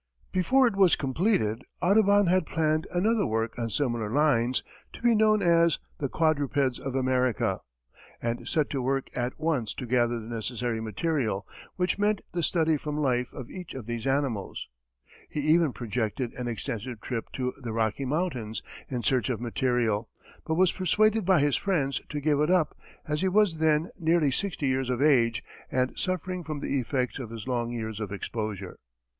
Before it was completed, Audubon had planned another work on similar lines, to be known as "The Quadrupeds of America," and set to work at once to gather the necessary material, which meant the study from life of each of these animals. He even projected an extensive trip to the Rocky Mountains in search of material, but was pursuaded by his friends to give it up, as he was then nearly sixty years of age, and suffering from the effects of his long years of exposure.